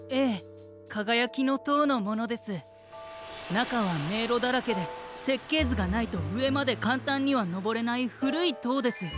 なかはめいろだらけでせっけいずがないとうえまでかんたんにはのぼれないふるいとうです。